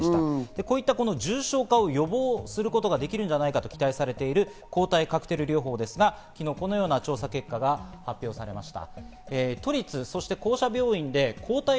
こういった重症化を予防することができるんじゃないかと期待されている抗体カクテル療法ですが、昨日このような調査結果が発表されました。